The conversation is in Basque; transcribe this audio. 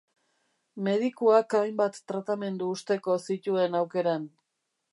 Medikuak hainbat tratamendu usteko zituen aukeran.